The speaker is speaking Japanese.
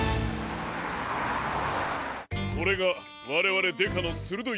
これがわれわれデカのするどいちょっ